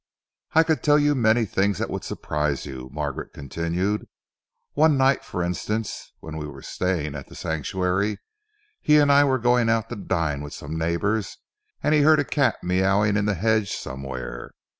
"I could tell you many things that would surprise you," Margaret continued. "One night, for instance, when we were staying at The Sanctuary, he and I were going out to dine with some neighbours and he heard a cat mewing in the hedge somewhere.